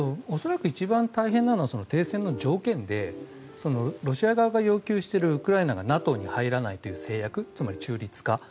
恐らく一番大変なのは停戦の条件でロシア側が要求しているウクライナがＮＡＴＯに入らないという制約つまり中立化。